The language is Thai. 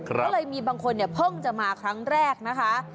ก็เลยมีบางคนเนี่ยเพิ่งจะมาครั้งแรกนะคะ